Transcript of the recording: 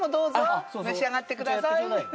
召し上がってください。